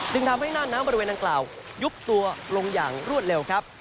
ทำให้หน้าน้ำบริเวณดังกล่าวยุบตัวลงอย่างรวดเร็วครับ